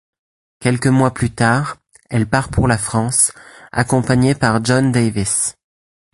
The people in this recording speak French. Quelques mois plus tard, elle part pour la France, accompagnée par John Davis.